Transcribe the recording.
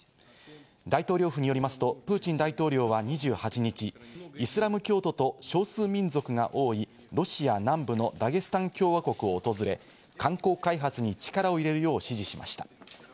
大統領府によりますと、プーチン大統領は２８日、イスラム教徒と少数民族が多いロシア南部のダゲスタン共和国を訪れ、観光開発に力を入れるよう指示しました。